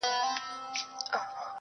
o او خپل سر يې د لينگو پر آمسا کښېښود.